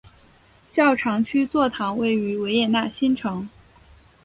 教长区座堂位于维也纳新城。